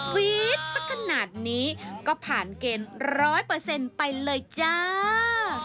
ควี๊ดปะขนาดนี้ก็ผ่านเกณฑ์ร้อยเปอร์เซ็นต์ไปเลยจ้า